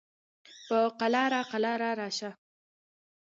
په قلاره قلاره راشه